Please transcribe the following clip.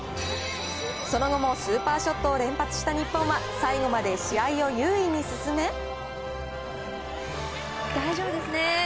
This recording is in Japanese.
その後もスーパーショットを連発した日本は最後まで試合を優位に大丈夫ですね。